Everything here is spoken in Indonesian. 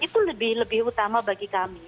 itu lebih utama bagi kami